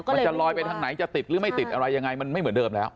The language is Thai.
มันจะลอยไปทางไหนจะติดหรือไม่ติดอะไรยังไงมันไม่เหมือนเดิมแล้ว